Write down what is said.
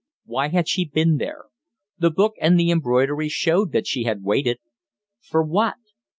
Why had she been there? The book and the embroidery showed that she had waited. For what?